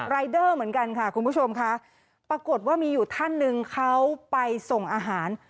รายเดอร์เหมือนกันค่ะคุณผู้ชมค่ะปรากฏว่ามีอยู่ท่านหนึ่งเขาไปส่งอาหาร